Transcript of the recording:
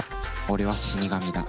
俺は死神だ。